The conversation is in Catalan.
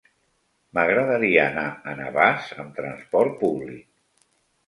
M'agradaria anar a Navàs amb trasport públic.